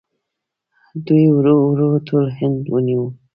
دوی ورو ورو ټول هند ونیو.